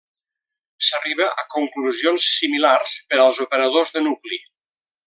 S'arriba a conclusions similars per als operadors de nucli.